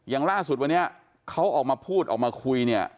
อย่างล่าสุดวันนี้เขาออกมาพูดออกมาคุยเนี่ย